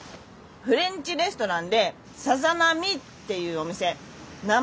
フレンチレストランでさざ波っていうお店名